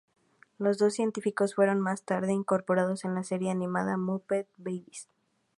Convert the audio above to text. Los dos científicos fueron más tarde incorporados en la serie animada Muppet Babies.